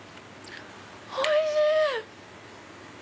おいしい！